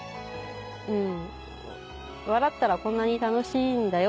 「笑ったらこんなに楽しいんだよ」